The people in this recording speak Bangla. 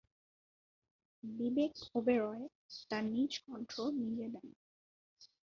বিবেক ওবেরয় তার কন্ঠ নিজে দেন।